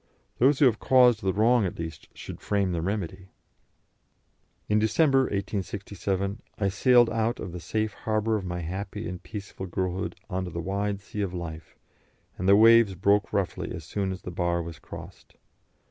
Those who have caused the wrong at least should frame the remedy." In December, 1867, I sailed out of the safe harbour of my happy and peaceful girlhood on to the wide sea of life, and the waves broke roughly as soon as the bar was crossed.